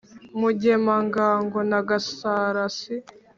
mugemangango na gasarasi